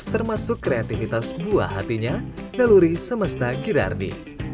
termasuk kreativitas buah hatinya naluri semesta girardi